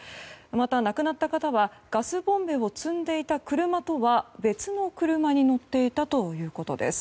また亡くなった方はガスボンベを積んでいた車とは別の車に乗っていたということです。